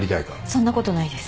そんなことないです。